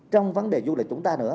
trong vấn đề du lịch chúng ta nữa